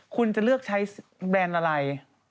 คุณจะเลือกใช้แบรนด์อะไร